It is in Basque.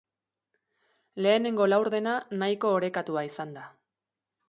Lehenengo laurdena nahiko orekatua izan da.